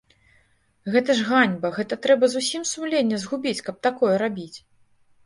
Гэта ж ганьба, гэта трэба зусім сумленне згубіць, каб такое рабіць!